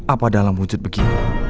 apa dalam wujud begini